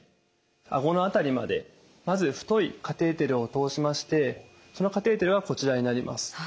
あごの辺りまでまず太いカテーテルを通しましてそのカテーテルはこちらになります。